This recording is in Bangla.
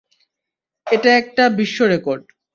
এটা একটা বিশ্বরেকর্ড।